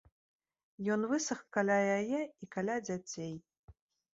Ён высах каля яе і каля дзяцей.